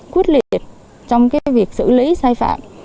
quyết liệt trong cái việc xử lý sai phạm